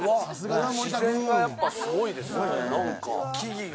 自然がやっぱすごいですね。